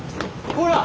ほら！